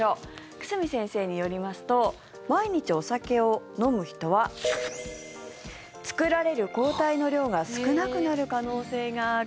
久住先生によりますと毎日お酒を飲む人は作られる抗体の量が少なくなる可能性がある。